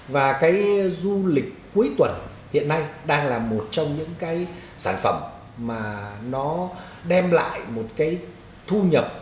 và cái du lịch cuối tuần hiện nay đang là một trong những cái sản phẩm mà nó đem lại một cái thu nhập